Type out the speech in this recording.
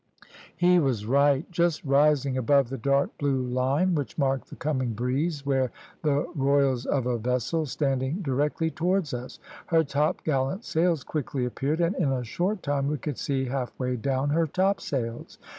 "He was right. Just rising above the dark blue line which marked the coming breeze were the royals of a vessel, standing directly towards us; her topgallant sails quickly appeared, and in a short time we could see half way down her topsails.